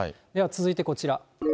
では続いてこちら。